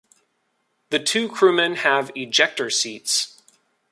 The two crewmen have ejector seats.